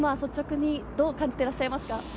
どう感じていらっしゃいますか？